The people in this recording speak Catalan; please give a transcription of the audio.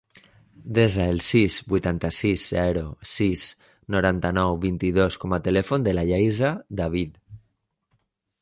Desa el sis, vuitanta-sis, zero, sis, noranta-nou, vint-i-dos com a telèfon de la Yaiza David.